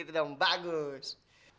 itu dong bagus